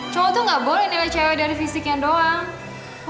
cowok tuh gak boleh nilai cewek dari fisiknya doang